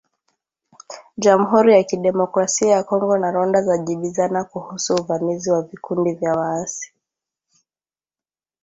Jamhuri ya Kidemokrasia ya Kongo na Rwanda zajibizana kuhusu uvamizi wa vikundi vya waasi